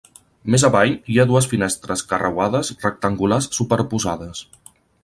Més avall hi ha dues finestres carreuades rectangulars superposades.